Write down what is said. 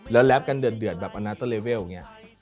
แล้วแรปกันเดือดแบบอนาโตเลเวลอย่างนี้